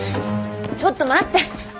ちょっと待って。